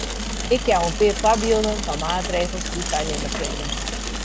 Ik jou in pear foarbylden fan maatregels dy't wy nimme kinne.